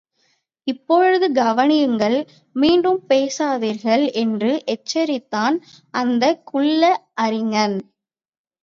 இப்பொழுது கவனியுங்கள், மீண்டும் பேசாதீர்கள் என்று எச்சரித்தான் அந்தக்குள்ள அறிஞன்.